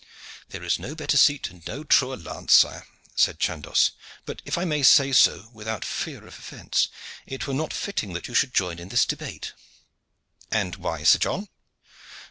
"There is no better seat and no truer lance, sire," said Chandos; "but, if I may say so without fear of offence, it were not fitting that you should join in this debate." "And why, Sir John?"